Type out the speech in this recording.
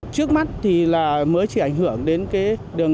trước mắt thì là mới chỉ ảnh hưởng đến cái đường